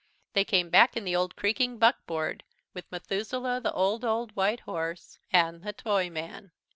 They came back in the old creaking buckboard with Methuselah the old, old white horse, and the Toyman.